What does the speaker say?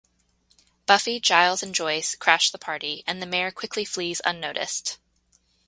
Buffy, Giles and Joyce crash the party, and the Mayor quickly flees unnoticed.